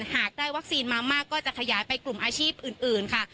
หากได้วัคซีนมามากก็จะขยายไปกลุ่มอาชีพอื่นค่ะ